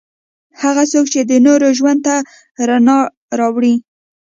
هغه څوک چې د نورو ژوند ته رڼا راوړي.